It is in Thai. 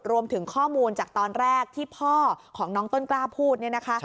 รวมถึงข้อมูลจากตอนแรกที่พ่อของน้องต้นกล้าพูด